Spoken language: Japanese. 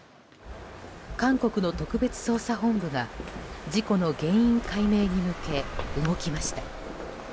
韓国の特別捜査本部が事故の原因解明に向け動きました。